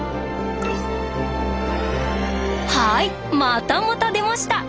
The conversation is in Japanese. はいまたまた出ました！